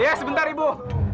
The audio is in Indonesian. iya sebentar ibu